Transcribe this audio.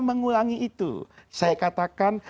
mengulangi itu saya katakan